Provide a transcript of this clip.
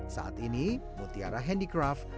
saat ini mutiara handicraft